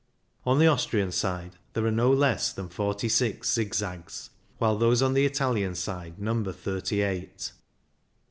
On the Austrian side there are no less than forty six zigzags, while those on the Italian side number thirty eight.